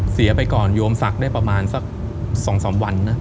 เสียไปก่อนโยมศักดิ์ได้ประมาณสัก๒๓วันนะ